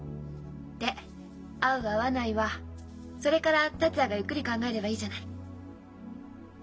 で「会う会わない」はそれから達也がゆっくり考えればいいじゃない。